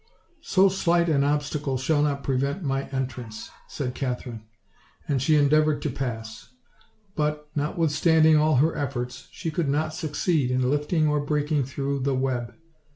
"So slight an obstacle shall not pre sent my entrance," said Katherine, and she endeavored to pass; but, notwithstanding all her efforts, she could not gucceed in lifting or breaking through the web.